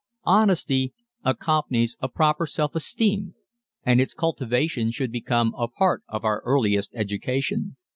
Honesty accompanies a proper self esteem and its cultivation should become a part of our earliest education.